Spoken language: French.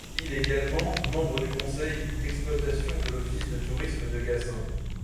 Il également membre du conseil d'exploitation de l'office de tourisme de Gassin.